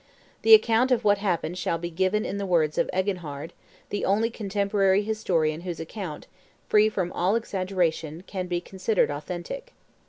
The account of what happened shall be given in the words of Eginhard, the only contemporary historian whose account, free from all exaggeration, can be considered authentic.